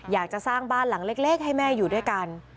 อยากจะสร้างบ้านหลังเล็กให้แม่อยู่ด้วยกัน